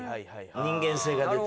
人間性が出てる。